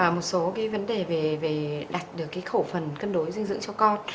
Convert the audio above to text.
một số cái vấn đề về đặt được cái khẩu phần cân đối dinh dưỡng cho con